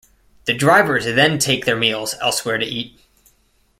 The drivers then take their meals elsewhere to eat.